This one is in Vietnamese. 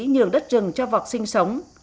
nhường đất rừng cho vọc sinh sống